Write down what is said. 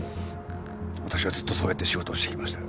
私はずっとそうやって仕事をしてきました。